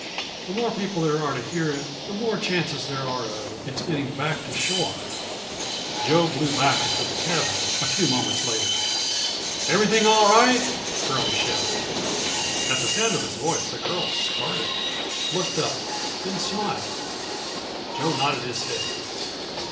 "The more people there are to hear it, the more chances there are of its getting back to shore." Joe blew back into the cabin a few moments later. "Everything all right?" Curlie shouted. At the sound of his voice, the girl started, looked up, then smiled; Joe nodded his head.